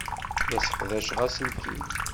La sseqdaceɣ aselkim.